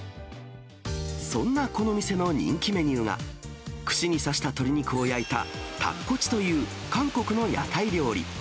そんなこの店の人気メニューは、串に刺した鶏肉を焼いたタッコチという韓国の屋台料理。